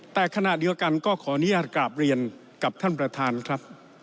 แต่ขณะเดียวกันก็ขออนุญาตกราบเรียนกับท่านประธานครับ